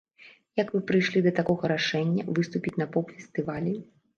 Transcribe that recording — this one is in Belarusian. Як вы прыйшлі да такога рашэння, выступіць на поп-фестывалі?